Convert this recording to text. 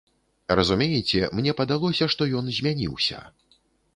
Разумееце, мне падалося, што ён змяніўся.